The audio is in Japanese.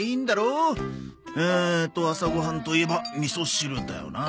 えーっと朝ご飯といえばみそ汁だよな。